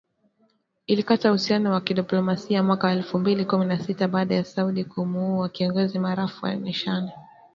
Ilikata uhusiano wa kidiplomasia mwaka wa elfu mbili kumi na sita, baada ya Saudi kumuua kiongozi maarufu wa kishia, aliyejulikana kama Nimr al-Nimr.